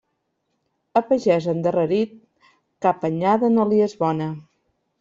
A pagès endarrerit, cap anyada no li és bona.